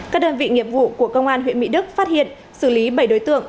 các đơn vị nghiệp vụ của công an huyện mỹ đức phát hiện xử lý bảy đối tượng